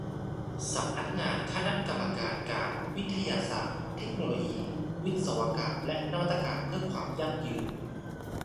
สำนักงานคณะกรรมการการ วิทยาศาสตร์ เทคโนโลยี วิศวกรรม และนวัตกรรม เพื่อความยั่งยืน